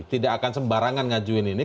tidak akan sembarangan ngajuin ini